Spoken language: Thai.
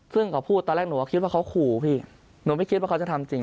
ซึ่งเขาพูดตอนแรกหนูก็คิดว่าเขาขู่พี่หนูไม่คิดว่าเขาจะทำจริง